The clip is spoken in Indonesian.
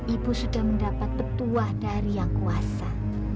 ibu sudah mendapat petuah dari yang kuasa